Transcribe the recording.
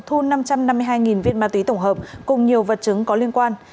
thu năm trăm năm mươi hai viên ma túy tổng hợp cùng nhiều vật chứng có liên quan